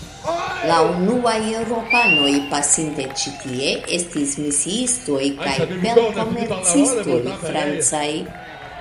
La unuaj Eŭropanoj pasinte ĉi-tie estis misiistoj kaj pelt-komercistoj francaj.